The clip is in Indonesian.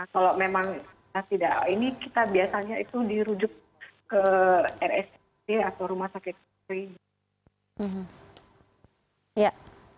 kalau memang tidak ini kita biasanya itu dirujuk ke rsc atau rumah sakit